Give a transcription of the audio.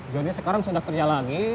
johnnya sekarang sudah kerja lagi